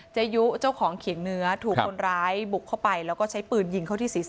ยุเจ้าของเขียงเนื้อถูกคนร้ายบุกเข้าไปแล้วก็ใช้ปืนยิงเข้าที่ศีรษะ